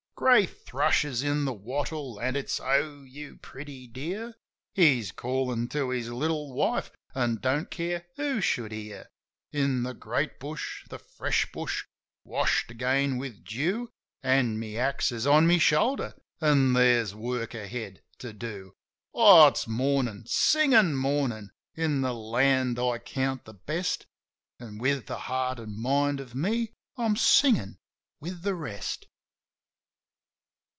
Grey thrush is in the wattle, an' it's, "O, you pretty dear!" He's callin' to his little wife, an' don't care who should hear In the great bush, the fresh bush, washed again with dew. An' my axe is on my shoulder, an' there's work ahead to do. Oh, it's Mornin'! Singin' Mornin'! in the land I count the best. An' with the heart an' mind of me I'm singin' with the rest.